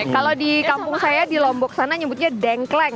kalau di kampung saya di lombok sana nyebutnya dengkleng